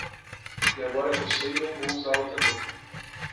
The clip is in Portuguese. E agora que eu sei, não vou usá-lo também.